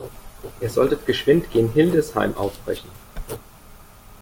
Ihr solltet geschwind gen Hildesheim aufbrechen.